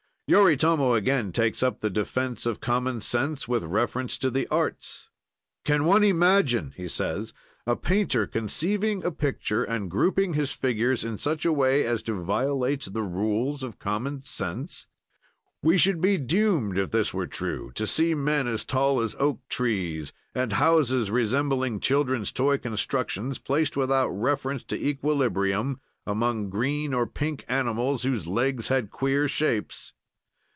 Yoritomo again takes up the defense of common sense, with reference to the arts. "Can one imagine," he says, "a painter conceiving a picture and grouping his figures in such a way as to violate the rules of common sense? "We should be doomed, if this were true, to see men as tall as oak trees and houses resembling children's toy constructions, placed without reference to equilibrium among green or pink animals, whose legs had queer shapes.